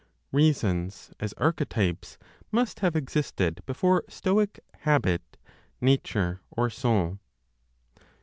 REASONS, AS ARCHETYPES, MUST HAVE EXISTED BEFORE STOIC "HABIT," NATURE OR SOUL.